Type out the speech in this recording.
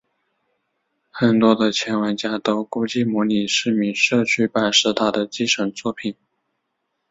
很多的前玩家都估计模拟市民社区版是它的继承作品。